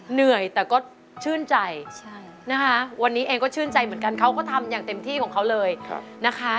เหนื่อยแต่ก็ชื่นใจนะคะวันนี้เองก็ชื่นใจเหมือนกันเขาก็ทำอย่างเต็มที่ของเขาเลยนะคะ